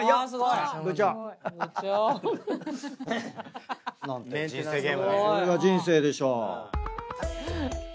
これが人生でしょ。